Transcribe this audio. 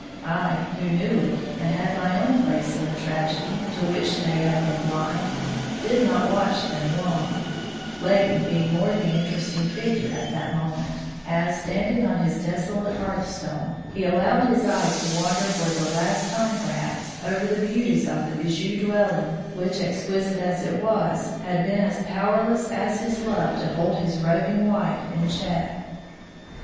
I, who knew it, and had my own place in the tragedy to which they had been blind, did not watch them long, Leighton being the more interesting figure at that moment, as, standing on his desolate hearthstone, he allowed his eyes to wander for the last time, perhaps, over the beauties of the bijou dwelling which, exquisite as it was, had been as powerless as his love to hold his roving wife in check.